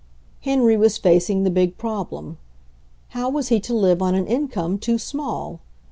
Henry was facing the big problem. How was he to live on an income too small?